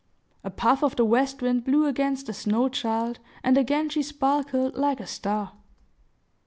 A puff of the west wind blew against the snow child, and again she sparkled like a star.